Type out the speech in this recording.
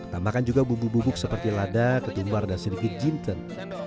tambahkan juga bumbu bubuk seperti lada ketumbar dan sedikit jinten